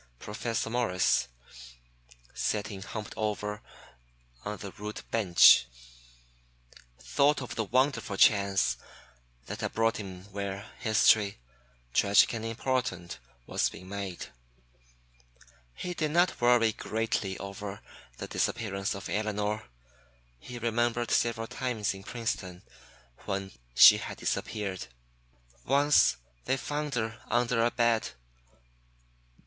Professor Morris, sitting humped over on the rude bench, thought of the wonderful chance that had brought him where history, tragic and important, was being made. He did not worry greatly over the disappearance of Elinor. He remembered several times in Princeton when she had disappeared. Once they found her under a bed.